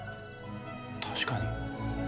確かに。